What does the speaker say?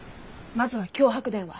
まずは脅迫電話。